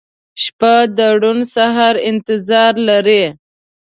• شپه د روڼ سهار انتظار لري.